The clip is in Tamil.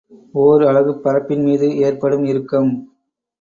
ஒர் அலகுப் பரப்பின் மீது ஏற்படும் இறுக்கம்.